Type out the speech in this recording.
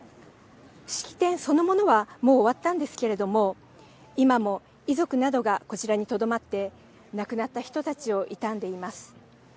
式典そのものはもう終わったんですけれども今も遺族などがこちらにとどまって亡くなった人たちを悼んでいます。